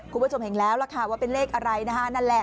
คุณผู้ชมเห็นแล้วล่ะค่ะว่าเป็นเลขอะไรนะคะนั่นแหละ